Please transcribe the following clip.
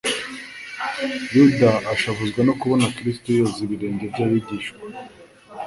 Yuda ashavuzwa no kubona Kristo yoza ibirenge by'abigishwa.